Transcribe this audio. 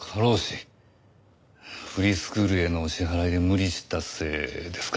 フリースクールへの支払いで無理したせいですか？